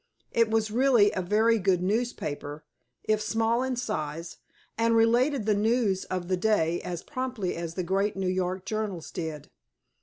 It was really a very good newspaper, if small in size, and related the news of the day as promptly as the great New York journals did.